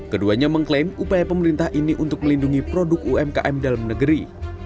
keduanya mengklaim upaya pemerintah ini untuk melindungi produk umkm dalam negeri